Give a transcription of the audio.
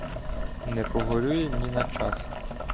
Не погорює ні на час.